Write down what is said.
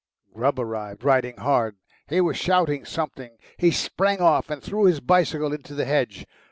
Grubb arrived, riding hard. He was shouting something. He sprang off and threw his bicycle into the hedge.